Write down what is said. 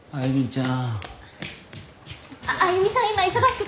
歩ちゃん。